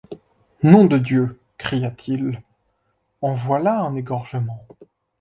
Nom de Dieu! cria-t-il, en voilà un égorgement !...